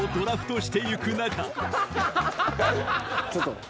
ちょっと！